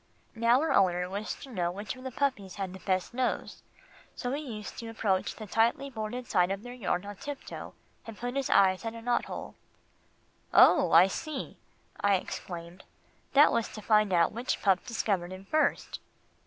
Now her owner wished to know which of the puppies had the best nose, so he used to approach the tightly boarded side of their yard on tiptoe, and put his eye at a knot hole. "Oh! I see," I exclaimed, "that was to find out which pup discovered him first."